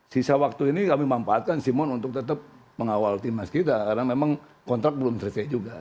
sisa waktu ini kami memanfaatkan simon untuk tetap mengawal tim mas gita karena memang kontrak belum selesai juga